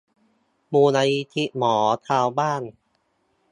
มูลนิธิหมอชาวบ้าน